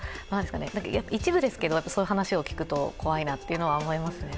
一部ですけど、そういう話を聞くと怖いなと思いますね。